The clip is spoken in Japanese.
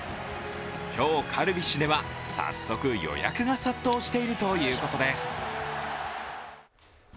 今日、カルビッシュでは早速予約が殺到しているということです。